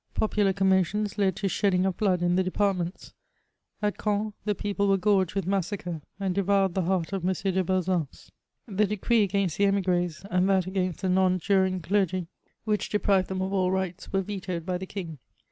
Popular commotions led to shedding of bbod in the departments ; at Caen the pec^le were gorged with massacre, and devoured the heart of M. de B^zunce. The decree agasnst the emiffrh, and that against the non juring clergy, which deprived them of all rights, were vetoed by the king.